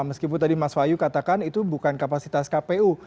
meskipun tadi mas wahyu katakan itu bukan kapasitas kpu